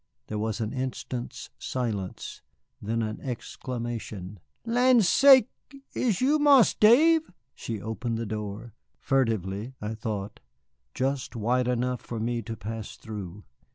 There was an instant's silence, then an exclamation. "Lan' sakes, is you Marse Dave?" She opened the door furtively, I thought just wide enough for me to pass through.